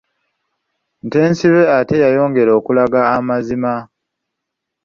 Ntensibe ate yayongera okulaga amazima.